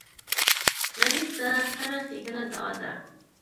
غریب ته هره ښېګڼه دعا ده